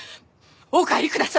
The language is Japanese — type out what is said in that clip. お帰りください。